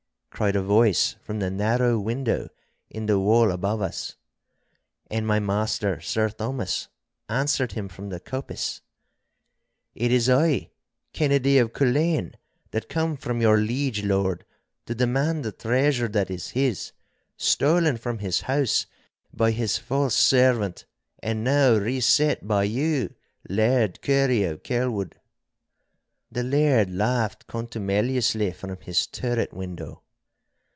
cried a voice from the narrow window in the wall above us. And my master, Sir Thomas, answered him from the coppice,— 'It is I, Kennedy of Culzean, that come from your liege lord to demand the treasure that is his, stolen from his house by his false servant and now reset by you, Laird Currie of Kelwood.' The Laird laughed contumeliously from his turret window.